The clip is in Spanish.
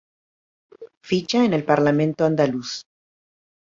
Ficha en el Parlamento andaluz